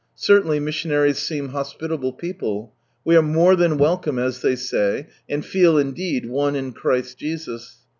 Certainly missionaries seem hospitable l>eople 1 We are " more than welcome," as they say, and feel indeed, one in Christ Jesus.